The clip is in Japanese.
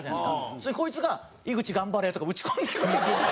それにこいつが「井口ガンバレ」とか打ち込んでくるんですよ。